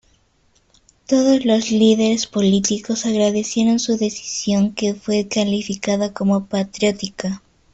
Todos los líderes políticos agradecieron su decisión que fue calificada como "patriótica".